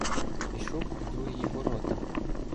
Пішов в другії ворота.